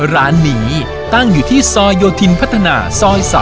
ร้านนี้ตั้งอยู่ที่ซอยโยธินพัฒนาซอย๓